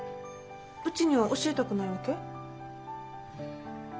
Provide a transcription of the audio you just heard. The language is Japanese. うちには教えたくないわけ？